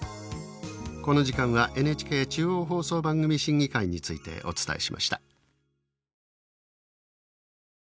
この時間はＮＨＫ中央放送番組審議会についてお伝えしました。